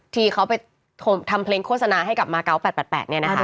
ที่เขาไปทำเพลงโฆษณาให้กับมาเกาะ๘๘เนี่ยนะคะ